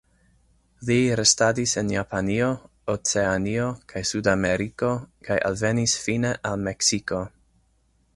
Li restadis en Japanio, Oceanio kaj Sudameriko, kaj alvenis fine al Meksiko.